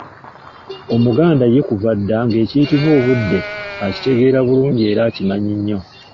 Omuganda ye kuva dda ng'ekiyitibwa obudde akitegeera bulungi era akimanyi nnyo .